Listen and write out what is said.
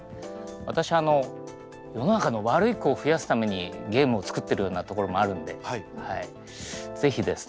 私世の中の悪い子を増やすためにゲームを作ってるようなところもあるんで是非ですね